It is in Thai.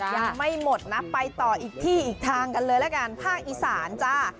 ยังไม่หมดนะไปต่ออีกที่อีกทางกันเลยละกันภาคอีสานจ้า